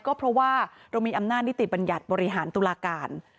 ก็เพราะว่าเรามีอำนาจนิติบัญญัติบริหารตุลาการ